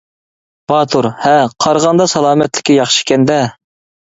باتۇر: ھە، قارىغاندا سالامەتلىكى ياخشى ئىكەندە!